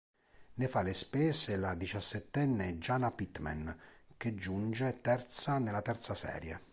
Ne fa le spese la diciassettenne Jana Pittman, che giunge terza nella terza serie.